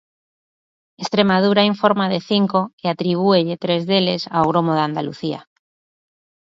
Estremadura informa de cinco e atribúelle tres deles ao gromo de Andalucía.